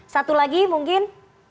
satu lagi mungkin